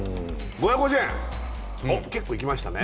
５５０円結構いきましたね